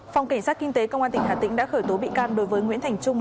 phòng cảnh sát kinh tế công an tỉnh hà tĩnh đã khởi tố bị can đối với nguyễn thành trung